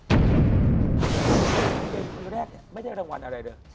เพลงแรกไม่ได้รางวัลอะไรเลย